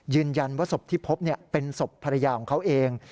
ยืนยันว่าศพที่พบเป็นศพภรรยาของเขาเอง